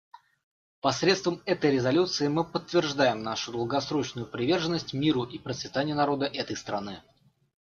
Посредством этой резолюции мы подтверждаем нашу долгосрочную приверженность миру и процветанию народа этой страны.